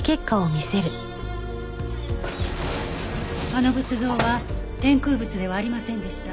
あの仏像は天空仏ではありませんでした。